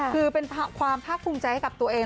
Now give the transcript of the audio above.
คือเป็นความภาคภูมิใจให้กับตัวเอง